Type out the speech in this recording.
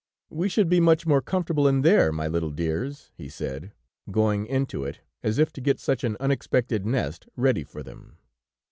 "We should be much more comfortable in there, my little dears," he said, going into it, as if to get such an unexpected nest ready for them.